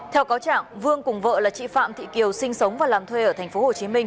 theo cáo trạng vương cùng vợ là chị phạm thị kiều sinh sống và làm thuê ở tp hcm